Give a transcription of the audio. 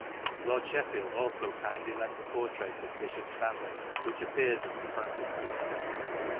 Lord Sheffield also kindly lent the portrait of Bishop Stanley, which appears as the Frontispiece.